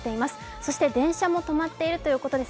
そして、電車も止まっているということです。